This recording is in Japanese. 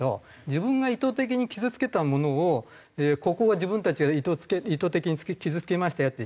自分が意図的に傷つけたものをここは自分たちが意図的に傷つけましたよって